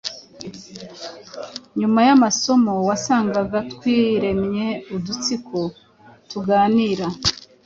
Nyuma y’amasomo, wasangaga twiremye udutsiko tuganira,